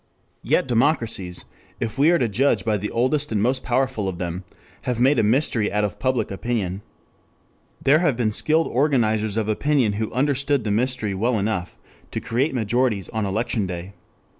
Yet democracies, if we are to judge by the oldest and most powerful of them, have made a mystery out of public opinion. There have been skilled organizers of opinion who understood the mystery well enough to create majorities on election day.